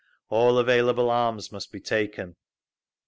All available arms must be taken.